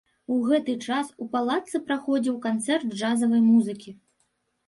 У гэты час у палацы праходзіў канцэрт джазавай музыкі.